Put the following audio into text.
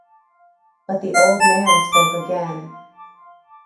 But the old man spoke again.